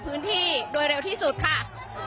พื้นที่โดยเร็วที่สุดค่ะ